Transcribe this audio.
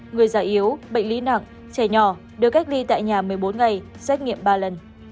người già yếu bệnh lý nặng trẻ nhỏ được cách ly tại nhà một mươi bốn ngày xét nghiệm ba lần